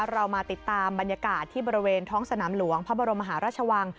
เรามาติดตามบรรยากาศที่บริเวณท้องสนามหลวงพระบรมหาราชวัง